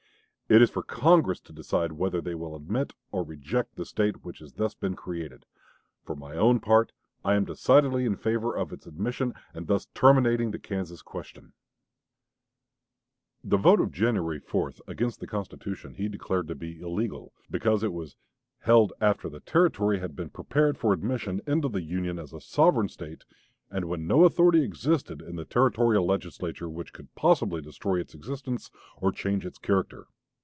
It is for Congress to decide whether they will admit or reject the State which has thus been created. For my own part I am decidedly in favor of its admission and thus terminating the Kansas question." 1858. The vote of January 4 against the constitution he declared to be illegal because it was "held after the Territory had been prepared for admission into the Union as a sovereign State, and when no authority existed in the Territorial Legislature which could possibly destroy its existence or change its character."